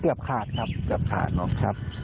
เกือบขาดครับเกือบขาดครับ